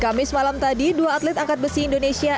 kamis malam tadi dua atlet angkat besi indonesia